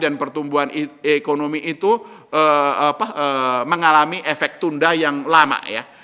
dan pertumbuhan ekonomi itu mengalami efek tunda yang lama